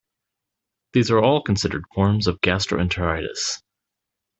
These are all considered forms of gastroenteritis.